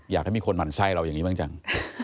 อยากให้มีคนหมั่นไส้เราอย่างนี้บ้างจัง